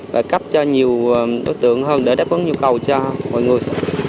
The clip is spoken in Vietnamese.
và cấp cho nhiều đối tượng hơn để đáp ứng nhu cầu cho mọi người